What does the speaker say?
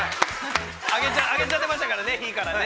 上げちゃいましたからね、火からね。